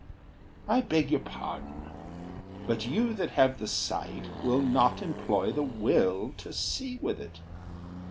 I beg your pardon, But you that have the sight will not employ The will to see with it.